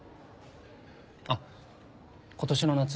あっ今年の夏。